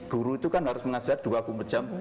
guru itu kan harus mengajar dua puluh empat jam